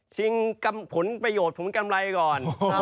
ผลประโยชน์ผลกำไรก่อน